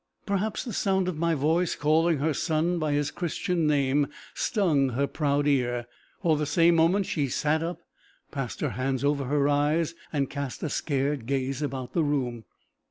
Perhaps the sound of my voice calling her son by his Christian name, stung her proud ear, for the same moment she sat up, passed her hands over her eyes, and cast a scared gaze about the room.